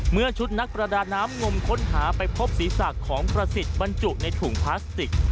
เมื่อชุดนักประดาน้ำงมค้นหาไปพบศีรษะของประสิทธิ์บรรจุในถุงพลาสติก